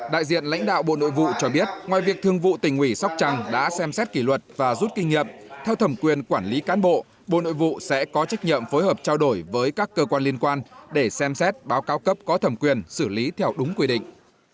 đại diện lãnh đạo bộ nội vụ cho biết ngoài việc thương vụ tỉnh ủy sóc trăng đã xem xét kỷ luật và rút kinh nghiệm theo thẩm quyền quản lý cán bộ bộ nội vụ sẽ có trách nhiệm phối hợp trao đổi với các cơ quan liên quan để xem xét báo cáo cấp có thẩm quyền xử lý theo đúng quy định